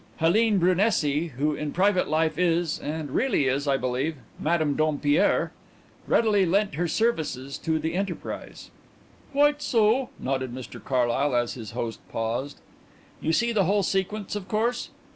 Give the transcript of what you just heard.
Helene Brunesi, who in private life is and really is, I believe Madame Dompierre, readily lent her services to the enterprise." "Quite so," nodded Mr Carlyle, as his host paused. "You see the whole sequence, of course?"